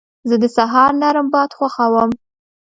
زه د سهار نرم باد خوښوم.